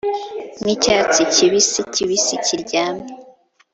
nkicyatsi kibisi-kibisi, kiryamye,